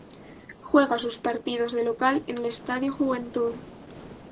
Juega sus partidos de local en el Estadio Juventud.